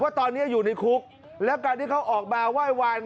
ตอนนี้อยู่ในคุกและการที่เขาออกมาไหว้วาน